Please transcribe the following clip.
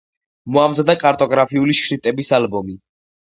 მოამზადა კარტოგრაფიული შრიფტების ალბომი.